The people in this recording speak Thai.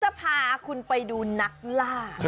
จะพาคุณไปดูนักล่า